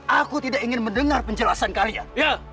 aku tidak ingin mendengar penjelasan kalian